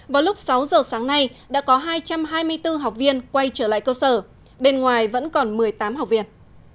vào lúc sáu giờ sáng nay đã có hai trăm hai mươi bốn học viên quay trở lại cơ sở bên ngoài vẫn còn một mươi tám học viên